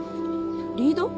リード？